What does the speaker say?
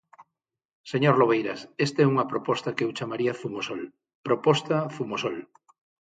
Señor Lobeiras, esta é unha proposta que eu chamaría Zumosol, proposta Zumosol.